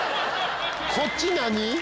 こっち何？